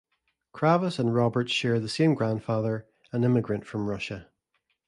Kravis and Roberts share the same grandfather, an immigrant from Russia.